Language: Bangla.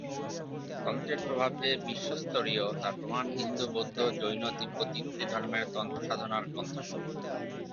তন্ত্রের প্রভাব যে বিশ্বস্তরীয়, তার প্রমাণ হিন্দু, বৌদ্ধ, জৈন, তিব্বতি ইত্যাদি ধর্মের তন্ত্র-সাধনার গ্রন্থসমূহ।